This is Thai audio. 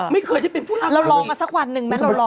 มีปุ้งยังนั่งเงียบ